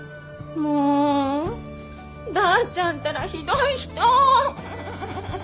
もうダーちゃんたらひどい人！んんん！